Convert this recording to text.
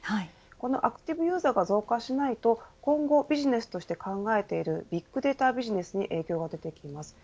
このアクティブユーザーが増加しないと、今後ビジネスとして考えているビッグデータビジネスに影響が出てきます。